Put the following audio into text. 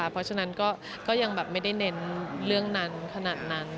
เพราะฉะนั้นก็ยังแบบไม่ได้เน้นเรื่องนั้นขนาดนั้น